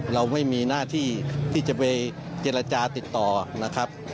เราไม่มีหน้าที่ที่จะไปเจรจาติดต่อนะครับ